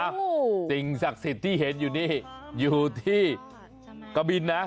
โอ้โหสิ่งศักดิ์สิทธิ์ที่เห็นอยู่นี่อยู่ที่กะบินนะ